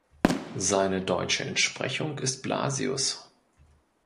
Seine deutsche Entsprechung ist Blasius.